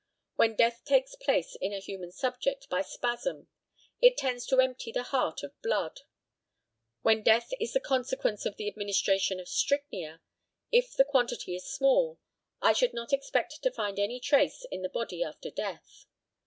When death takes place in a human subject by spasm it tends to empty the heart of blood. When death is the consequence of the administration of strychnia, if the quantity is small, I should not expect to find any trace in the body after death.